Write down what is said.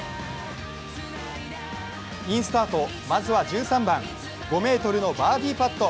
インスタート、まずは１３番、５ｍのバーディーパット。